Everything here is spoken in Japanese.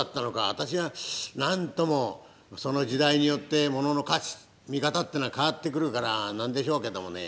私は何ともその時代によってものの価値見方ってのは変わってくるからなんでしょうけどもね。